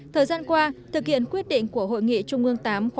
thời gian qua thực hiện quyết định của hội nghị trung ương tám khóa một mươi hai